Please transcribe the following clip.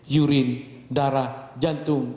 yurin darah jantung